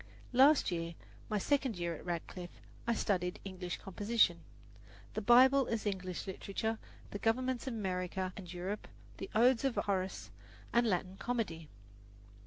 Last year, my second year at Radcliffe, I studied English composition, the Bible as English composition, the governments of America and Europe, the Odes of Horace, and Latin comedy.